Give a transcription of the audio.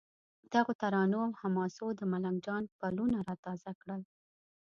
دغو ترانو او حماسو د ملنګ جان پلونه را تازه کړل.